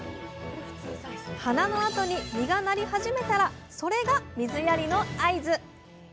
花のあとに実がなり始めたらそれが水やりの合図！